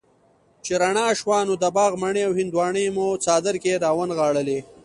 چې رڼا شوه نو د باغ مڼې او هندواڼې مو څادر کي را ونغاړلې